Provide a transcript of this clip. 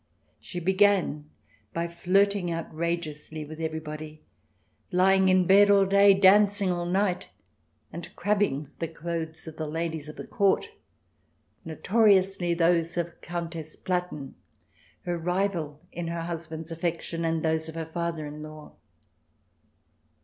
She began by flirting outrageously with everybody, lying in bed all day, dancing all night, and " crabbing " the clothes of the ladies of the Court, notoriously those of Countess Platen, her rival in her husband's affection, and those of her father in law.